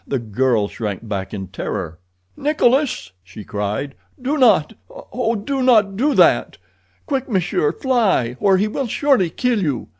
The girl shrank back in terror. "Nikolas!" she cried. "Do not—oh, do not do that. Quick, monsieur, fly, or he will surely kill you!"